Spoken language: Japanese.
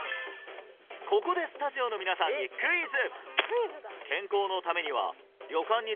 ここでスタジオの皆さんにクイズ！